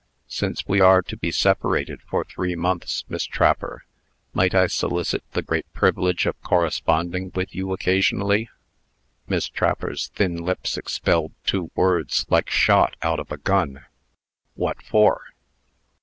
"Since we are to be separated for three months, Miss Trapper, might I solicit the great privilege of corresponding with you occasionally?" Miss Trapper's thin lips expelled two words, like shot out of a gun: "What for?"